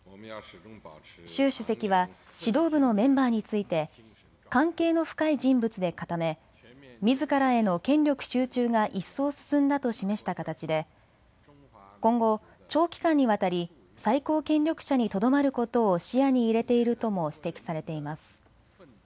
習主席は指導部のメンバーについて関係の深い人物で固めみずからへの権力集中が一層進んだと示した形で今後、長期間にわたり最高権力者にとどまることを視野に入れているとも指摘されています。